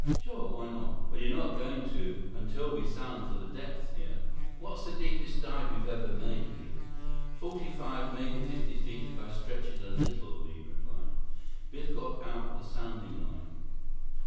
"Sure. Why not?" "Well, you're not going to until we sound for the depth here. What's the deepest dive you've ever made, Li?" "Forty five, maybe fifty feet if I stretch it a little," Li replied. Biff got out the sounding line.